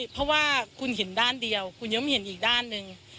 เพราะว่าคุณเห็นด้านเดียวคุณยังไม่เห็นอีกด้านหนึ่ง